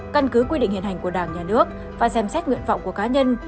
căn cứ quy định hiện hành của đảng nhà nước và xem xét nguyện vọng của cá nhân